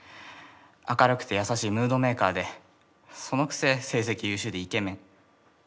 明るくて優しいムードメーカーでそのくせ成績優秀でイケメン。